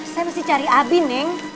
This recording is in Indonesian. saya mesti cari abi neng